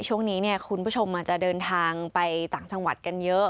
ช่วงนี้เนี่ยคุณผู้ชมอาจจะเดินทางไปต่างจังหวัดกันเยอะ